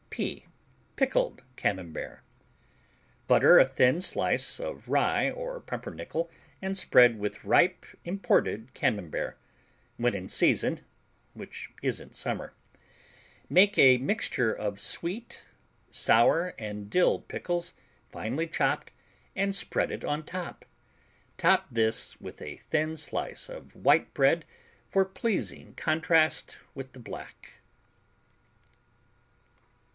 P Pickled Camembert Butter a thin slice of rye or pumpernickel and spread with ripe imported Camembert, when in season (which isn't summer). Make a mixture of sweet, sour and dill pickles, finely chopped, and spread it on. Top this with a thin slice of white bread for pleasing contrast with the black.